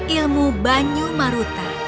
ilmu banyu maruta